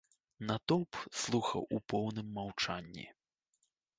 Натоўп слухаў у поўным маўчанні.